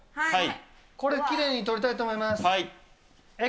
これ、きれいに取りたいと思います。